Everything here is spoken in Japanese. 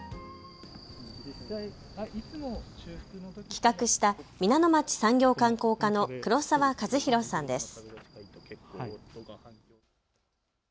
企画した皆野町産業観光課の黒沢和弘さんです。